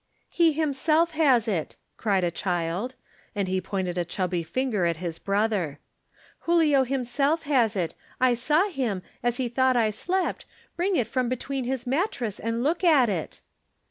"He himself has it," cried a child, and he pointed a chubby finger at his brother. Julio himself has it. I saw him, as he thought I slept, bring it from between his mattresses and look at it."